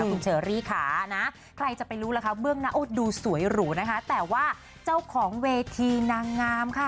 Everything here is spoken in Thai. คุณเชอรี่ค่ะนะใครจะไปรู้ล่ะคะเบื้องหน้าดูสวยหรูนะคะแต่ว่าเจ้าของเวทีนางงามค่ะ